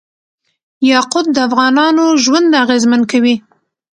یاقوت د افغانانو ژوند اغېزمن کوي.